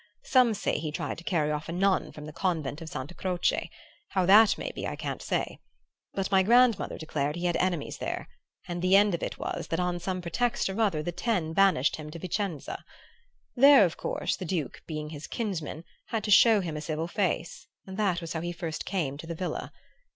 Some say he tried to carry off a nun from the convent of Santa Croce; how that may be I can't say; but my grandmother declared he had enemies there, and the end of it was that on some pretext or other the Ten banished him to Vicenza. There, of course, the Duke, being his kinsman, had to show him a civil face; and that was how he first came to the villa.